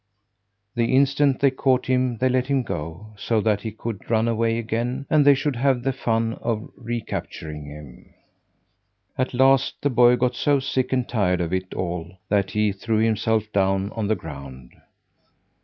The instant they caught him they let him go, so that he could run away again and they should have the fun of recapturing him. At last the boy got so sick and tired of it all that he threw himself down on the ground.